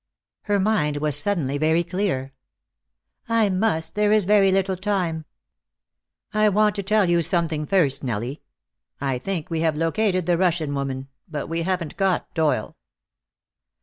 Her mind was suddenly very clear. "I must. There is very little time." "I want to tell you something first, Nellie. I think we have located the Russian woman, but we haven't got Doyle."